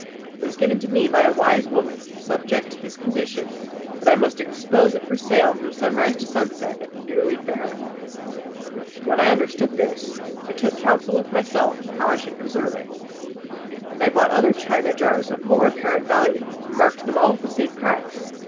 It was given to me by a wise woman, subject to this condition, that I must expose it for sale from sunrise to sunset at the yearly fair. When I understood this I took counsel with myself how I should preserve it; and I bought other china jars of more apparent value, and I marked them all with the same price.